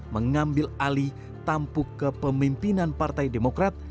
mengambil alih tampuk kepemimpinan partai demokrat